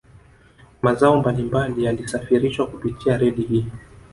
Mazao mbali mbali yalisafirishwa kupitia reli hii